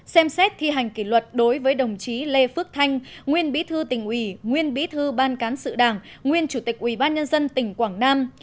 ba xem xét thi hành kỷ luật đối với đồng chí lê phước thanh nguyên bí thư tỉnh ủy nguyên bí thư ban cán sự đảng nguyên chủ tịch ủy ban nhân dân tỉnh quảng nam